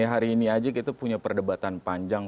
hari ini aja kita punya perdebatan panjang